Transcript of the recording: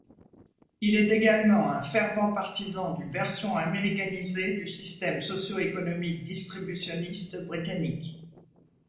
Il est également un fervent partisan d'une version américanisée du système socio-économique distributionniste britannique.